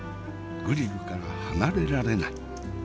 グリルから離れられない。